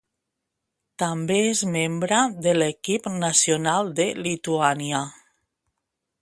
També és membre de l'equip nacional de Lituània.